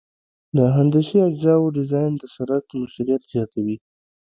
د هندسي اجزاوو ډیزاین د سرک موثریت زیاتوي